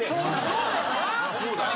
そうだよな。